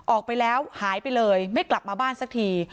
ออกไปแล้วหายไปเลยไม่กลับมาบ้านสักที